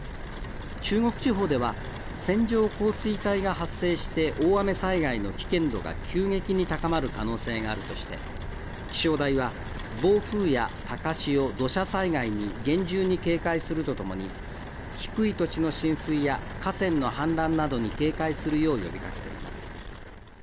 中国地方では線状降水帯が発生して大雨災害の危険度が急激に高まる可能性があるとして気象台は暴風や高潮、土砂災害に厳重に警戒するとともに低い土地の浸水や河川の氾濫などに警戒するよう呼びかけています。